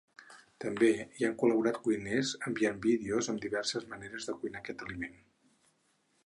També hi han col·laborat cuiners, enviant vídeos amb diverses maneres de cuinar aquest aliment.